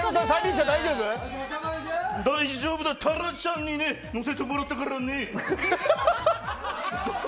大丈夫だ、タラちゃんに乗せてもらったからね。